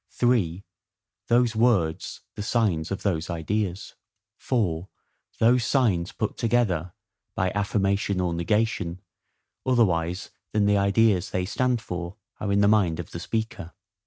(3) Those words the signs of those ideas. (4) Those signs put together, by affirmation or negation, otherwise than the ideas they stand for are in the mind of the speaker.